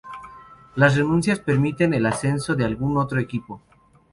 Las renuncias permiten el ascenso de algún otro equipo.